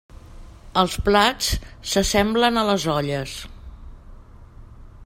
Els plats s'assemblen a les olles.